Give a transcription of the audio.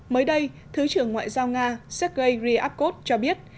mới đây thứ trưởng ngoại giao nga sergei ryabkov cho biết